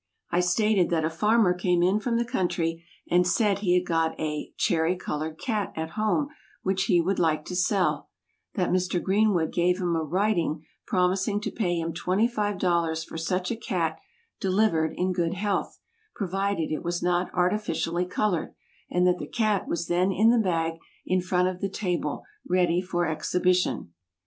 I stated that a farmer came in from the country, and said he had got a "cherry colored cat" at home which he would like to sell; that Mr. Greenwood gave him a writing promising to pay him twenty five dollars for such a cat delivered in good health, provided it was not artificially colored; and that the cat was then in the bag in front of the table, ready for exhibition.